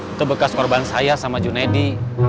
itu bekas korban saya sama junedi